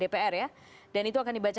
dan itu akan dibacakan di jalan jalan men